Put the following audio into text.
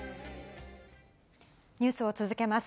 ニュースを続けます。